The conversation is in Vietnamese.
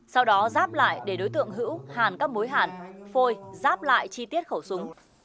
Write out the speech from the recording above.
sau đó ráp lại để đối tượng hữu hàn các mối hàn phôi ráp lại chi tiết khẩu súng